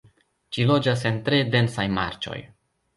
Ĝi loĝas en tre densaj marĉoj.